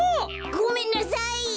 ごめんなさい。